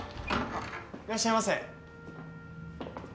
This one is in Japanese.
いらっしゃいませ。